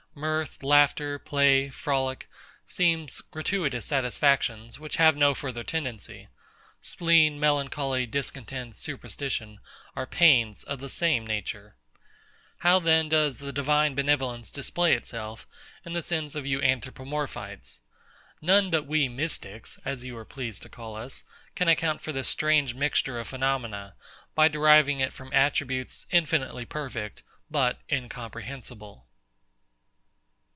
Mirth, laughter, play, frolic, seem gratuitous satisfactions, which have no further tendency: spleen, melancholy, discontent, superstition, are pains of the same nature. How then does the Divine benevolence display itself, in the sense of you Anthropomorphites? None but we Mystics, as you were pleased to call us, can account for this strange mixture of phenomena, by deriving it from attributes, infinitely perfect, but incomprehensible.